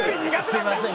すいません。